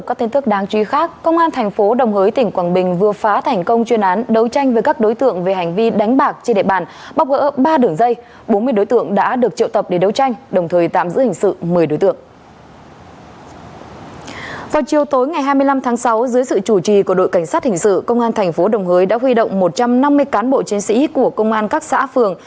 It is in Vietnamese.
công an thành phố đồng hới đã huy động một trăm năm mươi cán bộ chiến sĩ của công an các xã phường